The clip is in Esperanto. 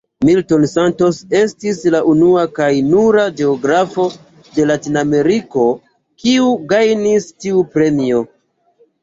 Milton Santos estis la unua kaj nura geografo de Latinameriko, kiu gajnis tiu premio.